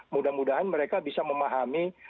mudah mudahan mereka bisa memahami